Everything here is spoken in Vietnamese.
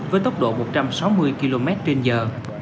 với tốc độ một trăm sáu mươi km trên giờ